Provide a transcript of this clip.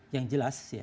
yang jelas sih ya